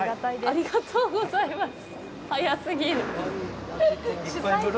ありがとうございます。